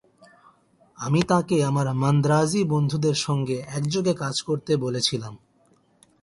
আমি তাঁকে আমার মান্দ্রাজী বন্ধুদের সঙ্গে একযোগে কাজ করতে বলেছিলাম।